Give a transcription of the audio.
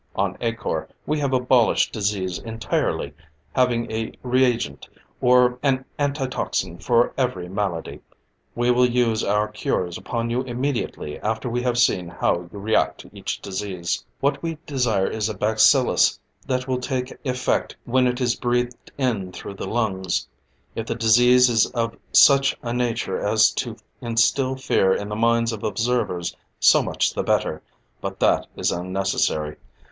On Acor we have abolished disease entirely, having a reagent or an antitoxin for every malady; we will use our cures upon you immediately after we have seen how you react to each disease. "What we desire is a bacillus that will take effect when it is breathed in through the lungs. If the disease is of such a nature as to instill fear in the minds of observers, so much the better; but that is unnecessary.